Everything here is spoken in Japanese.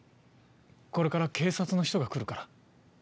これから警察の人が来るから。